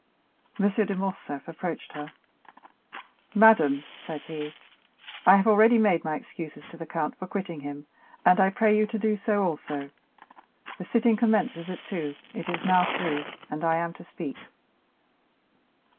M. de Morcerf approached her. "Madame," said he. "I have already made my excuses to the count for quitting him, and I pray you to do so also. The sitting commences at two; it is now three, and I am to speak."